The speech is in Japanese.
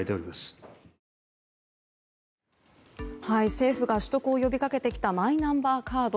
政府が取得を呼び掛けてきたマイナンバーカード。